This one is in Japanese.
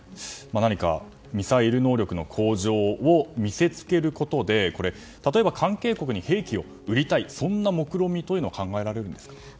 何かミサイル能力の向上を見せつけることで例えば、関係国に兵器を売りたいという目論見は考えられるんですか？